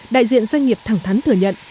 đại diện doanh nghiệp thẳng thắn thừa nhận